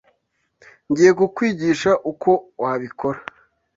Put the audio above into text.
Ngiye kukwigisha uko wabikora.